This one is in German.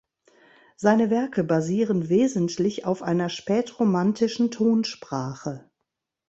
Seine Werke basieren wesentlich auf einer spätromantischen Tonsprache.